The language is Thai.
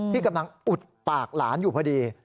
ที่กำลังอุดปากหลานอยู่พอดี